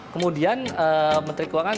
kemudian menteri keuangan